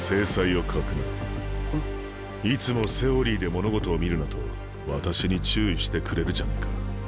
いつもセオリーで物事を見るなと私に注意してくれるじゃないか。